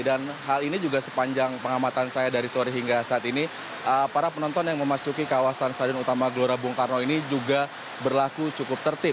dan hal ini juga sepanjang pengamatan saya dari sore hingga saat ini para penonton yang memasuki kawasan stadion utama gelora bung karno ini juga berlaku cukup tertib